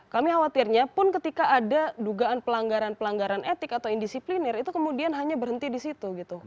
kami khawatirnya pun ketika ada dugaan pelanggaran pelanggaran etik atau indisiplinir itu kemudian hanya berhenti di situ gitu